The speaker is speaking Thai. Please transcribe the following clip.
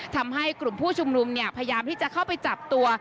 ทำให้กลุ่มผู้ชุมนุมเนี่ยพยายามที่จะเข้าไปจับตัว